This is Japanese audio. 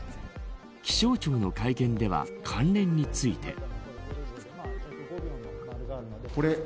気象庁の会見では関連について。